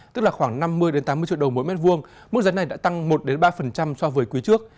tức là khoảng năm mươi tám mươi triệu đồng mỗi mét vuông mức giá này đã tăng một ba so với quý trước